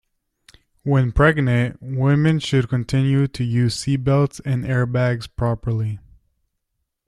When pregnant, women should continue to use seatbelts and airbags properly.